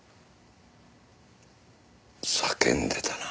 叫んでたな。